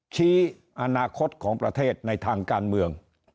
ชี้อนาคตของประเทศในทางการเมือง